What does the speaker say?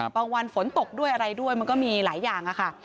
วันฝนตกด้วยอะไรด้วยมันก็มีหลายอย่างค่ะ